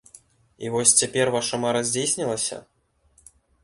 І вось цяпер ваша мара здзейснілася?